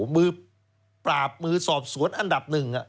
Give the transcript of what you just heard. มือปราบมือสอบสวนอันดับหนึ่ง